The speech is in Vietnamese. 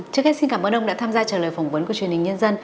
trước hết xin cảm ơn ông đã tham gia trả lời phỏng vấn của truyền hình nhân dân